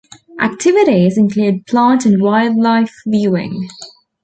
Activities include plant and wildlife viewing.